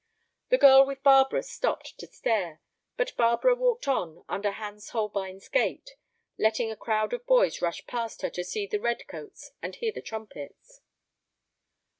The girl with Barbara stopped to stare; but Barbara walked on under Hans Holbein's gate, letting a crowd of boys rush past her to see the redcoats and hear the trumpets.